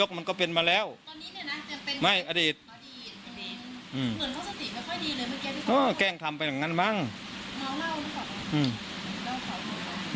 เขาบอกว่าเหมียเขาเล่นคุณสายใส่เขาใหม่